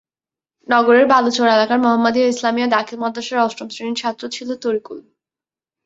নগরের বালুচর এলাকার মোহাম্মদীয়া ইসলামিয়া দাখিল মাদ্রাসার অষ্টম শ্রেণির ছাত্র ছিল তরিকুল।